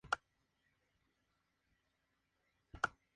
Los afectados protestaron durante años para reclamar indemnizaciones justas.